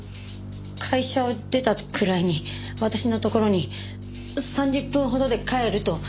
会社を出たくらいに私のところに「３０分ほどで帰る」とメールがありました。